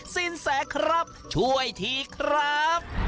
สินแสครับช่วยทีครับ